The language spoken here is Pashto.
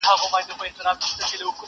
هم د كلي هم بلاوي د بيابان يو!!